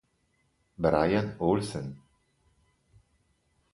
Brian Olsen